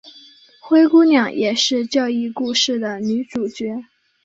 灰姑娘也是这一故事的女主角。